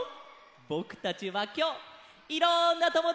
ぼくたちはきょういろんなともだちができたよ！